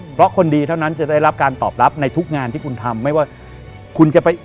เพราะคนดีเท่านั้นจะได้รับการตอบรับในทุกงานที่คุณทำ